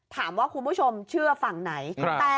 ถามว่าคุณผู้ชมเชื่อฟังไหน